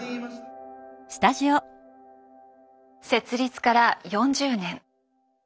設立から４０年。